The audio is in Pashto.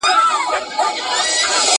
سیاستوال به ټولو ته برابر حقونه ورکوي.